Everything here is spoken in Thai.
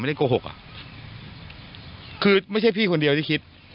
โกหกอ่ะคือไม่ใช่พี่คนเดียวที่คิด